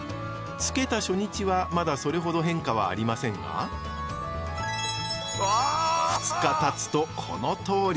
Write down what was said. つけた初日はまだそれほど変化はありませんが２日たつとこのとおり！